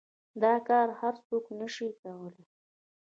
دا كار هر سوك نشي كولاى.